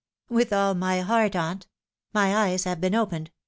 " With all my heart, aunt. My eyes have been opened.